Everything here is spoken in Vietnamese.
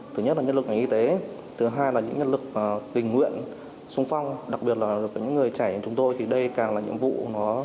thứ nhất là nhân lực ngành y tế thứ hai là những nhân lực tình nguyện sung phong đặc biệt là những người trẻ của chúng tôi thì đây càng là nhiệm vụ